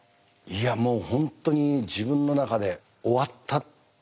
いやもう本当に自分の中で終わったっていう。